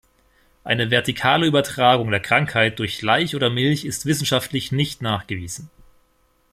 Eine vertikale Übertragung der Krankheit durch Laich oder Milch ist wissenschaftlich nicht nachgewiesen.